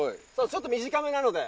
ちょっと短めなので。